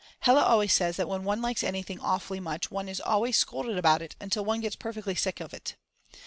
Hella always says that when one likes anything awfully much one is always scolded about it until one gets perfectly sick of it.